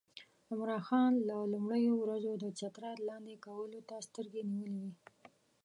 عمرا خان له لومړیو ورځو د چترال لاندې کولو ته سترګې نیولې وې.